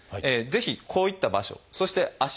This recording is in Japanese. ぜひこういった場所そして足。